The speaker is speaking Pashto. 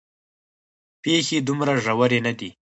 پېښې دومره ژورې نه دي.